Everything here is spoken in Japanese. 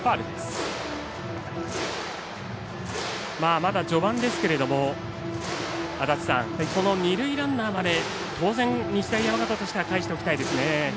まだ序盤ですけれどもこの二塁ランナーまで当然、日大山形としてはかえしておきたいですね。